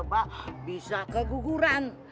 mbak bisa keguguran